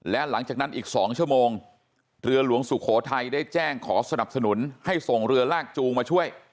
และหลังจากนั้นอีก๒ชั่วโมงเรือหลวงสุโขทัยได้แจ้งขอสนับสนุนให้ส่งเรือลากจูงมาช่วย